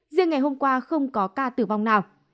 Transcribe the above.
riêng ngày hôm qua không có ca tử vong nào